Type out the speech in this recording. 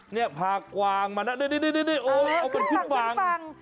นี่พากวางมานะโอ้โฮเอาเป็นทุกฝั่ง